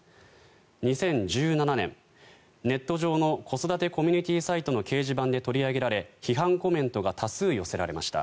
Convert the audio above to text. ２０１７年、ネット上の子育てコミュニティーサイトの掲示板で取り上げられ、批判コメントが多数寄せられました。